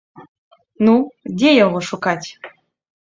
Ну, дзе яго шукаць?